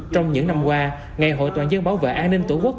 trong những năm qua ngày hội toàn dân bảo vệ an ninh tổ quốc